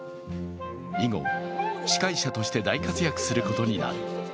以後、司会者として大活躍することになる。